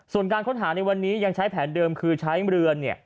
ส่วนการค้นหาในวันนี้ยังใช้แผนเดิมคือใช้เรือ